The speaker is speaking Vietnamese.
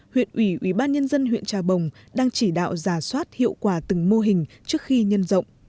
huyện ủy ubnd huyện trà bồng đang chỉ đạo giả soát hiệu quả từng mô hình trước khi nhân rộng